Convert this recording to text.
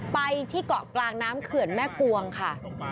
ไปที่เกาะกลางน้ำเขื่อนแม่กวงค่ะ